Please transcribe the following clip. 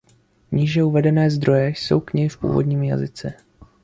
Níže uvedené zdroje jsou knihy v původním jazyce.